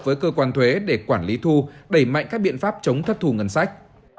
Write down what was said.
với cơ quan thuế để quản lý thu đẩy mạnh các biện pháp chống thất thù ngân sách